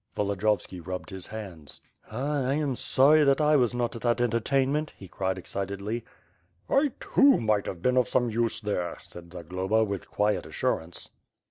Volodiyovski rubbed his hands. "Ah, 1 am sorry that 1 was not at that entertainment," he cried excitedly. "I too, might have been of some use there,' said Zagloba with quiet assurance.